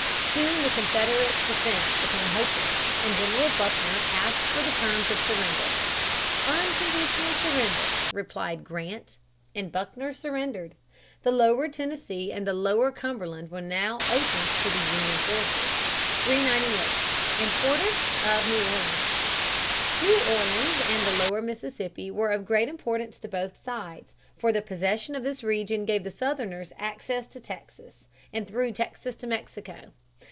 Soon the Confederate defense became hopeless, and General Buckner asked for the terms of surrender. "Unconditional surrender," replied Grant, and Buckner surrendered. The lower Tennessee and the lower Cumberland were now open to the Union forces. [Sidenote: The lower Mississippi.] [Sidenote: Admiral Farragut.] 398. Importance of New Orleans. New Orleans and the lower Mississippi were of great importance to both sides, for the possession of this region gave the Southerners access to Texas, and through Texas to Mexico.